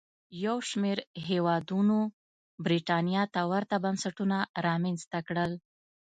یو شمېر هېوادونو برېټانیا ته ورته بنسټونه رامنځته کړل.